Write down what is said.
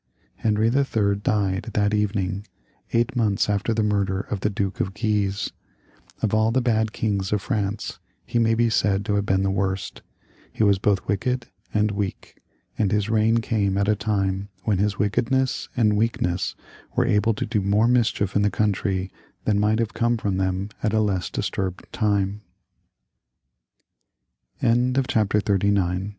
Henry III. died that evening, eight months after the murder of the Duke of Guise. Of all the bad kings of France he may be said to have been the worst ; he was both wicked and weak, and his reign came at a time when his wickedness and weakness were able to do more mis chief in the country than might have come &om them at a l